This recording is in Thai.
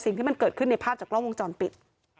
สิ่งที่มันเกิดขึ้นในภาพจากกล้องวงจรปิด